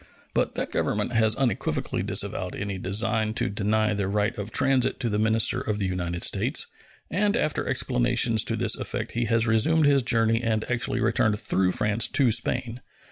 But that Government has unequivocally disavowed any design to deny the right of transit to the minister of the United States, and after explanations to this effect he has resumed his journey and actually returned through France to Spain.